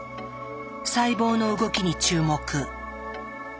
細胞の動きに注目！